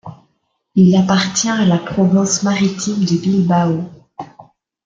Il appartient à la Province maritime de Bilbao.